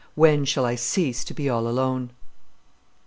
"WHEN SHALL I CEASE TO BE ALL ALONE?"